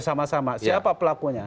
bersama sama siapa pelakunya